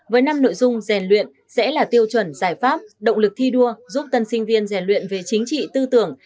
với năm nội dung rèn luyện sẽ là tiêu chuẩn giải pháp động lực thi đua giúp tân sinh viên rèn luyện về chính trị tư tưởng